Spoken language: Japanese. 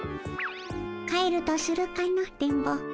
帰るとするかの電ボ。